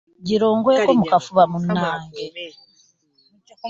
Gira ongweko mu kafuba munnange.